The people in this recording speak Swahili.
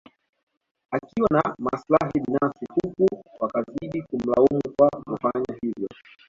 Akiwa na maslahi binafsi huku wakazidi kumlaumu kwa kufanya hivyo